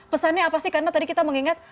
pesannya apa sih karena tadi kita mengingat